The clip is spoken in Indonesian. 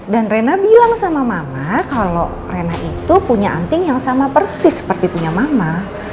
dan rena bilang sama mama kalau rena itu punya anting yang sama persis seperti punya mama